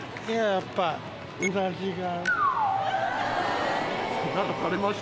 やっぱうなじが。